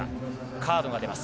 カードが出ます。